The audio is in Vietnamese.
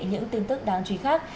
những tin tức đáng chú ý khác